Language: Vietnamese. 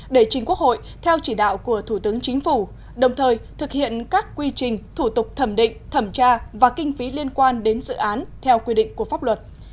để chính quốc hội theo chỉ đạo của thủ tướng chính phủ đồng thời thực hiện các quy trình thủ tục thẩm định thẩm tra và kinh phí liên quan đến dự án theo quy định của pháp luật